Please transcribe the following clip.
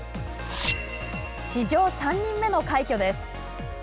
史上３人目の快挙です。